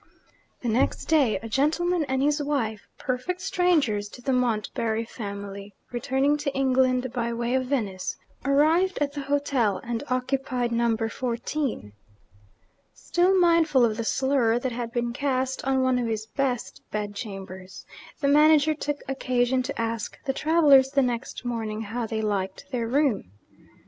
The next day, a gentleman and his wife (perfect strangers to the Montbarry family), returning to England by way of Venice, arrived at the hotel and occupied Number Fourteen. Still mindful of the slur that had been cast on one of his best bedchambers, the manager took occasion to ask the travellers the next morning how they liked their room.